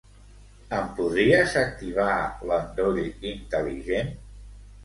Em podries activar l'endoll intel·ligent?